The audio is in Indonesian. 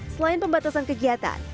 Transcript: selain pembatasan kegiatan